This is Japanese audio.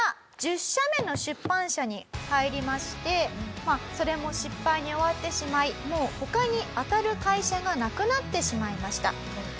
１０社目の出版社に入りましてそれも失敗に終わってしまいもう他にあたる会社がなくなってしまいました。